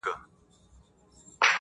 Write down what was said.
o غوجله لا هم خاموشه ده ډېر,